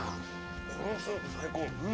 このスープ最高うん！